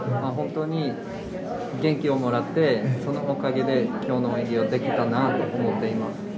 本当に元気をもらってそのおかげで今日の演技をできたなと思っています。